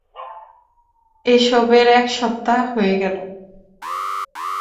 এসবের এক সপ্তাহ হয়ে গেল।